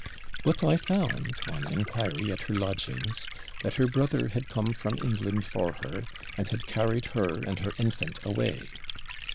But I found, on inquiry at her lodgings, that her brother had come from England for her, and had carried her and her infant away.